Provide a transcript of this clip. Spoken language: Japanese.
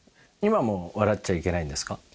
今も笑っちゃいけないんですか？